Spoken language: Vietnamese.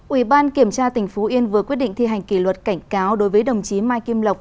ủy ban kiểm tra tỉnh phú yên vừa quyết định thi hành kỷ luật cảnh cáo đối với đồng chí mai kim lộc